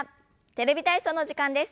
「テレビ体操」の時間です。